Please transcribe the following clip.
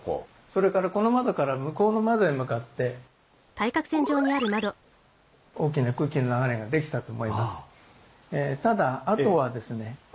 それからこの窓から向こうの窓へ向かって大きな空気の流れができたと思います。